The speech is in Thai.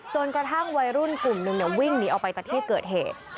จนกระทั่งวัยรุ่นกลุ่มนึงวิ่งหนีออกไปจากที่เกิดเหตุ